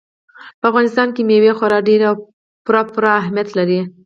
په افغانستان کې مېوې خورا ډېر او پوره پوره اهمیت لري.